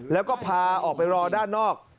แล้วก็พาออกไปรอด้านนอก